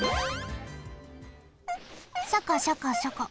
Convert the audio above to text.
シャカシャカシャカ。